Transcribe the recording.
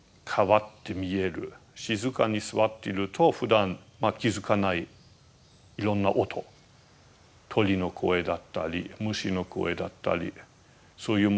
静かに坐っているとふだん気付かないいろんな音鳥の声だったり虫の声だったりそういうものに初めて気付く。